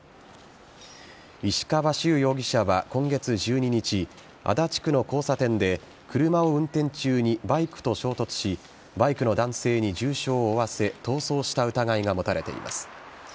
石川周容疑者は今月１２日足立区の交差点で車を運転中にバイクと衝突しバイクの男性に重傷を負わせ逃走した疑いが持たれています。